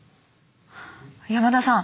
山田さん。